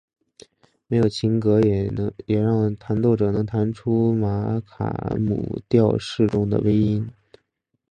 没有琴格也让弹奏者能弹出玛卡姆调式中的微音。